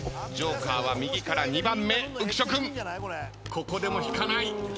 ここでも引かない。